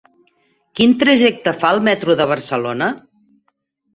Quin trajecte fa el metro de Barcelona?